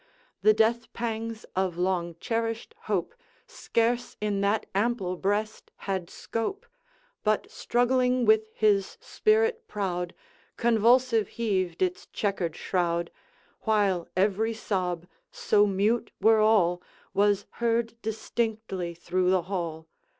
The death pangs of long cherished hope Scarce in that ample breast had scope But, struggling with his spirit proud, Convulsive heaved its checkered shroud, While every sob so mute were all Was heard distinctly through the ball.